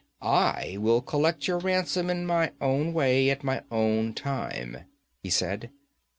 'I will collect your ransom in my own way, at my own time,' he said.